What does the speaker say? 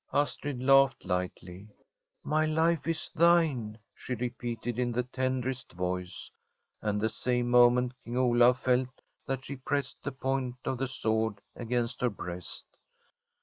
Astrid laughed lightly. ' My life is thine,' she repeated, in the tender est voice, and the same moment King Olaf felt that she pressed the point of the sword against her breast.